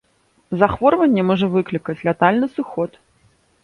Захворванне можа выклікаць лятальны сыход.